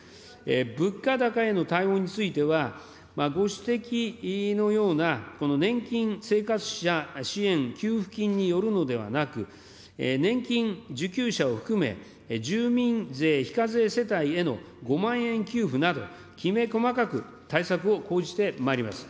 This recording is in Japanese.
物価高への対応については、ご指摘のような、この年金生活者支援給付金によるのではなく、年金受給者を含め、住民税非課税世帯への５万円給付など、きめ細かく、対策を講じてまいります。